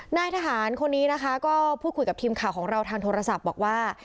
นายทหารคนนี้นะคะก็พูดคุยกับทีมข่าวของเราทางโทรศัพท์บอกว่า